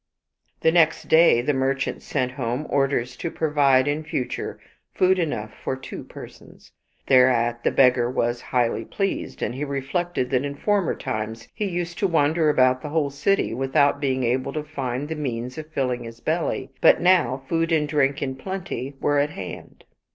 The next day the merchant sent home orders to provide in future food enough for two persons. Thereat the beggar was highly pleased, and he reflected that in former times he used to wander about the whole city without being able to find the means of filling his belly, but now food and drink in plenty were at hand.